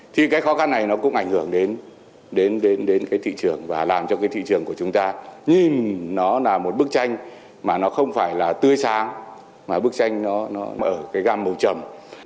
thì cái khó khăn này nó cũng ảnh hưởng đến cái thị trường và làm cho cái thị trường của chúng ta nhìn nó là một bức tranh mà nó không phải là tươi sáng mà bức tranh nó ở cái gam màu trầm